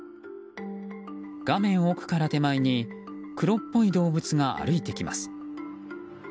画面奥から手前に黒っぽい動物が歩いてきます。